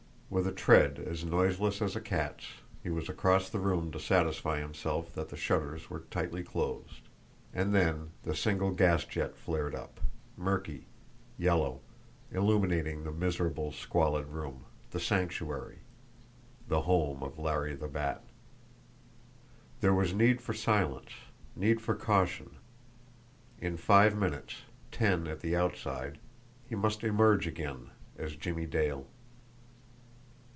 With a tread as noiseless as a cat's, he was across the room to satisfy himself that the shutters were tightly closed; and then the single gas jet flared up, murky, yellow, illuminating the miserable, squalid room the Sanctuary the home of Larry the Bat. There was need for silence, need for caution. In five minutes, ten at the outside, he must emerge again as Jimmie Dale.